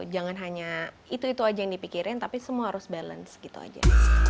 jangan hanya itu itu aja yang dipikirin tapi semua harus balance gitu aja